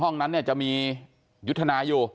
ห้องนั้นจะมียุทธนายอยู่